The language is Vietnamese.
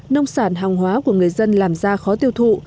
nông sản hàng hóa của người dân làm ra khó tiêu thụ